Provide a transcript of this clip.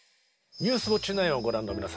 「ニュースウオッチ９」をご覧の皆様